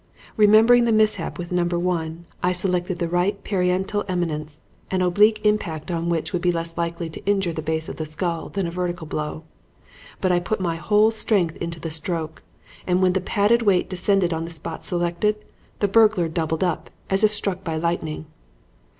Remembering the mishap with Number One, I selected the right parietal eminence, an oblique impact on which would be less likely to injure the base of the skull than a vertical blow. But I put my whole strength into the stroke, and when the padded weight descended on the spot selected, the burglar doubled up as if struck by lightning.